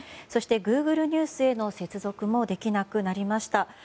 そして、グーグルニュースへの接続もできなくなりました。